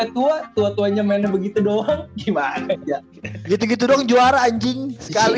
tua tuanya main begitu doang gimana gitu gitu dong juara anjing sekali